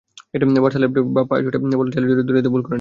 Barca left back বাঁ পায়ের শটে বলটা জালে জড়িয়ে দিতে ভুল করলেন না।